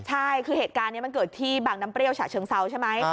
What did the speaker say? ใช่คือเหตุการณ์นี้มันเกิดที่บางน้ำเปรี้ยวฉะเชิงเซาใช่ไหม